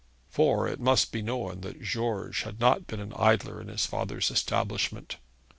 For it must be known that George had not been an idler in his father's establishment.